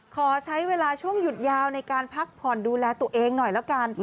ขอใช้เวลาช่วงหยุดยาวในการพักผ่อนดูแลตัวเองหน่อยแล้วกัน